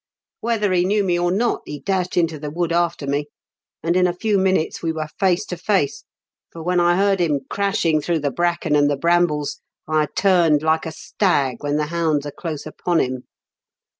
Whether he knew me or not, he dashed into the wood after me ; and in a few minutes we were face to face, for when I heard him crashing through the bracken and the brambles, I turned like a stag when the hounds are close upon him.